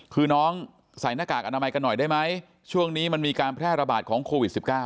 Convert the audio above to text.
คือน้องใส่หน้ากากอนามัยกันหน่อยได้ไหมช่วงนี้มันมีการแพร่ระบาดของโควิด๑๙